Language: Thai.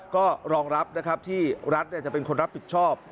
ก็รองรับนะครับที่รัฐจะเป็นคนรับผิดชอบ